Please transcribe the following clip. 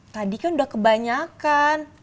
tadi kan udah kebanyakan